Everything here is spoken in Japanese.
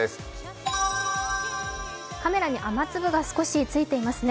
カメラに雨粒が少しついていますね。